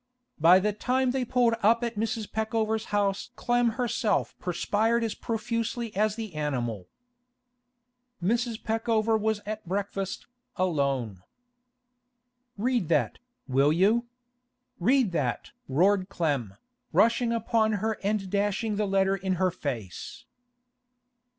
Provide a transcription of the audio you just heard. By the time they pulled up at Mrs. Peckover's house Clem herself perspired as profusely as the animal. Mrs. Peckover was at breakfast, alone. 'Read that, will you? Read that?' roared Clem, rushing upon her and dashing the letter in her face.